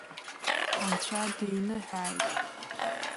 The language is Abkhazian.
Анцәа диныҳәааит!